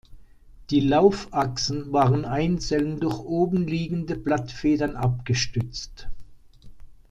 Die Laufachsen waren einzeln durch oben liegende Blattfedern abgestützt.